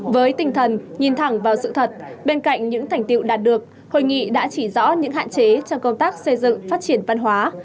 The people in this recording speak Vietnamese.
với tinh thần nhìn thẳng vào sự thật bên cạnh những thành tiệu đạt được hội nghị đã chỉ rõ những hạn chế trong công tác xây dựng phát triển văn hóa